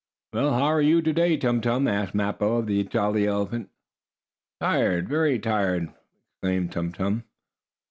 "Well, how are you to day, Tum Tum?" asked Mappo, of the jolly elephant. "Tired. Very tired!" exclaimed Tum Tum.